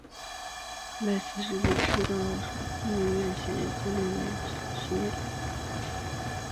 赖斯接受布里斯班圣彼得斯游泳学校的教练米高保尔的训练。